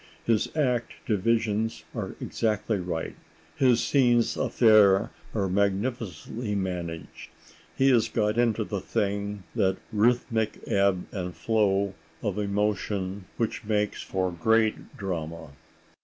His act divisions are exactly right; his scènes à faire are magnificently managed; he has got into the thing that rhythmic ebb and flow of emotion which makes for great drama.